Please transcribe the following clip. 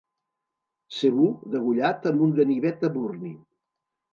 Zebú degollat amb un ganivet eburni.